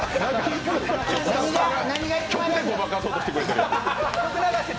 曲でごまかそうとしてくれてるよ。